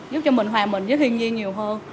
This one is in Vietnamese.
giúp cho mình hòa mình với thiên nhiên nhiều hơn